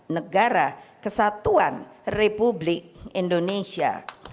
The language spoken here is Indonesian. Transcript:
negara kesatuan republik indonesia